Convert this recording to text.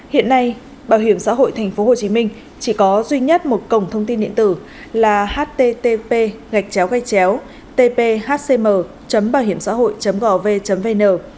hiện nay bảo hiểm xã hội tp hcm chỉ có duy nhất một cổng thông tin điện tử là http tphcm bảohiểmxãhội gov vn